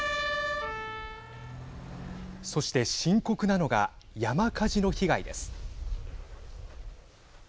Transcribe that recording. そして、深刻なのが山火事の被害です。